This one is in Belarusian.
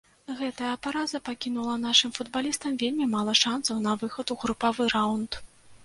Гэтая параза пакінула нашым футбалістам вельмі мала шанцаў на выхад у групавы раўнд.